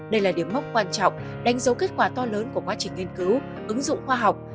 đây là điểm mốc quan trọng đánh dấu kết quả to lớn của quá trình nghiên cứu ứng dụng khoa học